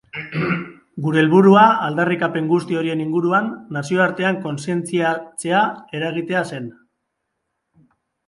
Gure helburua, aldarrikapen guzti horien inguruan, nazioartean kontzientziatzea eragitea zen.